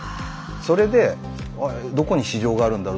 それでどこに市場があるんだろう